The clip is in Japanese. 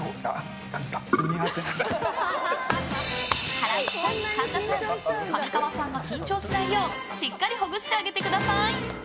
ハライチさん、神田さん上川さんが緊張しないようしっかりほぐしてあげてください！